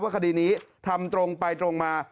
คดีนี้ทำตรงไปตรงมา